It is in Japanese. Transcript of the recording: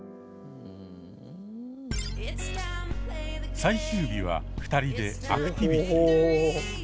最終日は２人でアクティビティ。